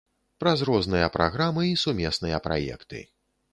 Праз розныя праграмы і сумесныя праекты.